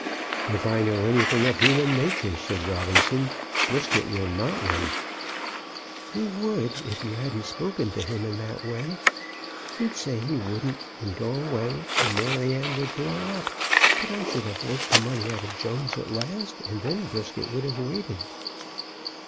"If I know anything of human nature," said Robinson, "Brisket will not wait." "He would, if you hadn't spoke to him that way. He'd say he wouldn't, and go away, and Maryanne would blow up; but I should have worked the money out of Jones at last, and then Brisket would have waited."